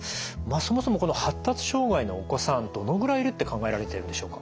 そもそもこの発達障害のお子さんどのぐらいいるって考えられているんでしょうか？